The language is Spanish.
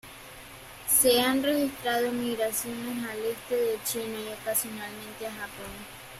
Se han registrado migraciones al este de China, y ocasionalmente a Japón.